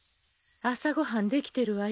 朝ご飯できてるわよ。